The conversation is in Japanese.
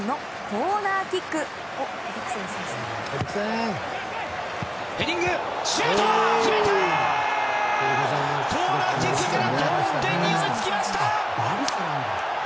コーナーキックから同点に追いつきました！